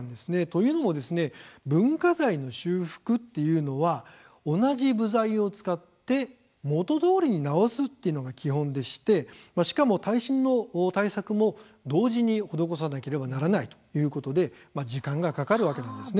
というのも文化財の修復というのは同じ部材を使って、元どおりに直すというのが基本でしてしかも耐震の対策も同時に施さなければならないということで時間がかかるわけなんです。